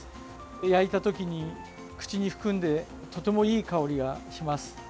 焼いた時に、口に含んでとてもいい香りがします。